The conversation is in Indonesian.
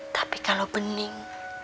tapi kalau bening